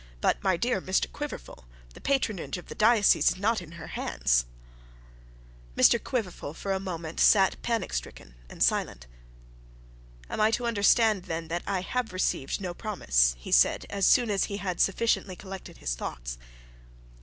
But, my dear Mr Quiverful, the patronage of the diocese is not in her hands.' Mr Quiverful for a moment sat panic stricken and silent. 'Am I to understand, then, that I have received no promise?' he said, as soon as he had sufficiently collected his thoughts.